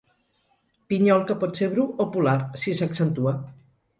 Pinyol que pot ser bru o polar, si s'accentua.